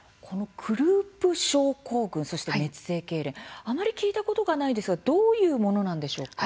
クループ症候群そして熱性けいれん、あまり聞いたことがないですがどういうものなんでしょうか？